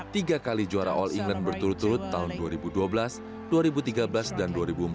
tiga kali juara all england berturut turut tahun dua ribu dua belas dua ribu tiga belas dan dua ribu empat belas